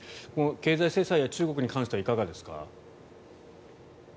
経済制裁や中国に関してはいかがですか。